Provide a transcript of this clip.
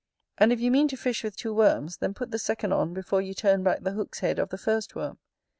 And if you mean to fish with two worms, then put the second on before you turn back the hook's head of the first worm.